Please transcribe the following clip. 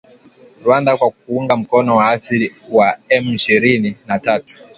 Rwanda kwa kuunga mkono waasi wa M ishirini na tatu